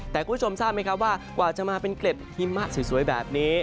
แต่คุณผู้ชมทราบไหมครับว่ากว่าจะมาเป็นเกล็ดหิมะสวยแบบนี้